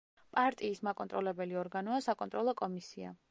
პარტიის მაკონტროლებელი ორგანოა საკონტროლო კომისია.